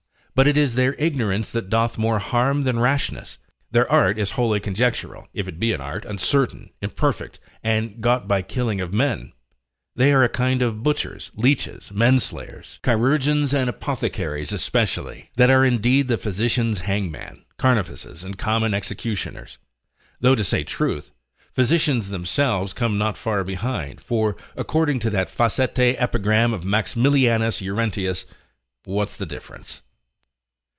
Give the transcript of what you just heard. But it is their ignorance that doth more harm than rashness, their art is wholly conjectural, if it be an art, uncertain, imperfect, and got by killing of men, they are a kind of butchers, leeches, men slayers; chirurgeons and apothecaries especially, that are indeed the physicians' hangman, carnifices, and common executioners; though to say truth, physicians themselves come not far behind; for according to that facete epigram of Maximilianus Urentius, what's the difference?